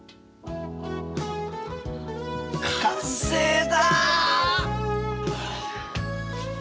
完成だ！